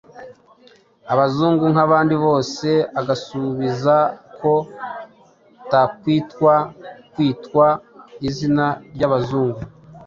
abazungu nk’abandi bose. Agasubiza ko takwitwa kwitwa izina ry’abazungu